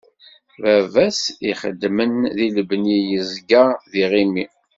Baba-s ixeddmen di lebni yeẓga d iɣimi.